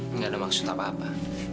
tidak ada maksud apa apa